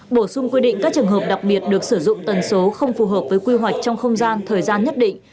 bổ sung quy định các trường hợp đặc biệt được sử dụng tần số không phù hợp với quy hoạch trong không gian thời gian nhất định